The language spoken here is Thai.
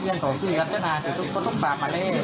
ตรงนั้นไม่ได้คุยตามนั้นตรงนั้นนั้นตรงนั้นนั้น